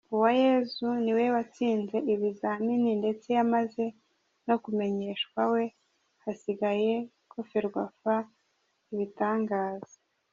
Uwayezu niwe watsinze ibizamini ndetse yamaze no kumenyeshwa we hasigaye ko Ferwafa ibitangaza.